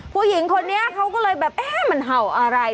ผู้หญิงคนนี้เขาก็เลยแบบเอ๊ะมันเห่าอะไร